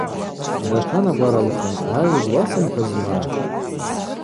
Датанагваралхын: Ай, йгьуасымхӏвызма!